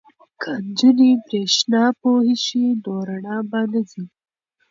که نجونې بریښنا پوهې شي نو رڼا به نه ځي.